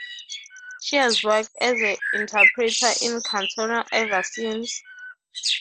She has worked as an interpreter in Cotonou ever since.